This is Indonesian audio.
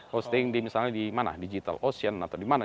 hosting di misalnya di mana digital ocean atau di mana